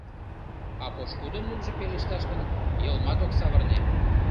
А пошкудын лӱмжым пелешташ гын, йылмат ок савырне.